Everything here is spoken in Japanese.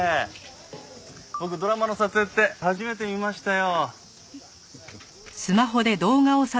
僕ドラマの撮影って初めて見ましたよ。